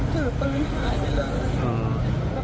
คือปืนหายไปเลย